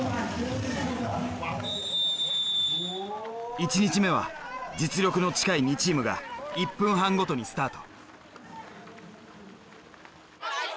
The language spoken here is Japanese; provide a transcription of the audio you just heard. １日目は実力の近い２チームが１分半ごとにスタート。